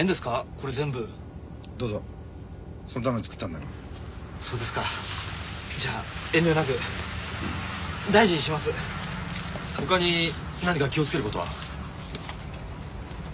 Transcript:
これ全部どうぞそのために作ったんだからそうですかじゃ遠慮なく大事にしますほかに何か気をつけることは？